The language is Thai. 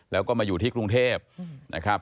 แล้วก็มาอยู่ที่กรุงเทพนะครับ